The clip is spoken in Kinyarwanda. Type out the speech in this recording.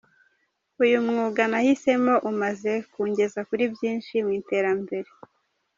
Uyu mwuga nahisemo umaze kungeza kuri byinshi mu iterambere.